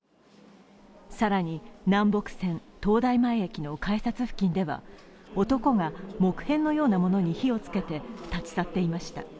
更に、南北線・東大前駅の改札付近では、男が木片のようなものに火をつけて立ち去っていました。